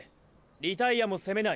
リタイアも責めない。